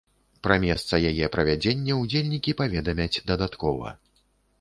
Пра месца яе правядзення ўдзельнікі паведамяць дадаткова.